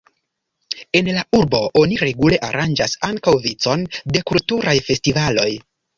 En la urbo oni regule aranĝas ankaŭ vicon de kulturaj festivaloj.